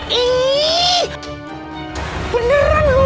beneran lu ya